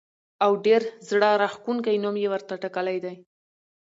او ډېر زړه راښکونکی نوم یې ورته ټاکلی دی.